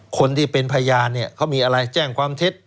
คนที่เป็นพยานเนี่ยเขามีอะไรแจ้งความเท็จ